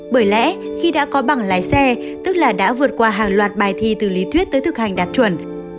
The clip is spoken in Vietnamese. bởi lẽ khi đã có bằng lái xe tức là đã vượt qua hàng loạt bài thi từ lý thuyết tới thực hành đạt chuẩn